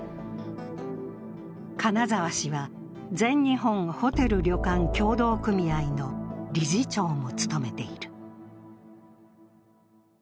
金沢氏は、全日本ホテル旅館協同組合の理事長も務めている。